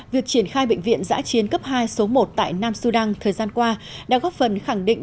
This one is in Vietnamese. việc triển khai bệnh viện giã chiến cấp hai số một tại nam sudan thời gian qua đã góp phần khẳng định